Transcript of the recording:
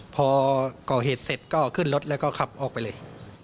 พอก่อเหตุเสร็จก็ขึ้นรถแล้วก็ขับออกไปเลย